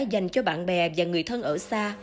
dành cho bạn bè và người thân ở xa